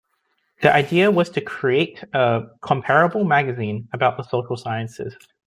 The idea was to create a comparable magazine about the social sciences.